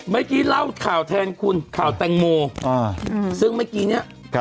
เมื่อกี้เล่าข่าวแทนคุณข่าวแตงโมซึ่งเมื่อกี้เนี่ย